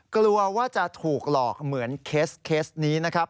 กลัวว่าจะถูกหลอกเหมือนเคสนี้นะครับ